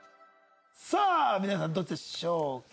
さあ皆さんどっちでしょうか？